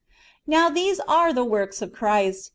^ Now these are the works of Christ.